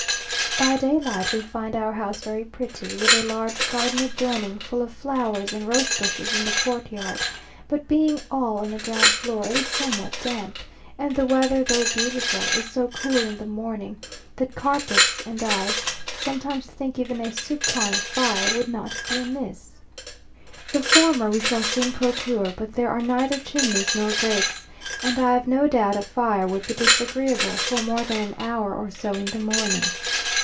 By daylight we find our house very pretty, with a large garden adjoining, full of flowers, and rosebushes in the courtyard, but being all on the ground floor, it is somewhat damp, and the weather, though beautiful, is so cool in the morning, that carpets, and I sometimes think even a soupcon of fire, would not be amiss. The former we shall soon procure, but there are neither chimneys nor grates, and I have no doubt a fire would be disagreeable for more than an hour or so in the morning.